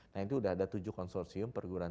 nah itu sudah ada tujuh konsorsium perguruan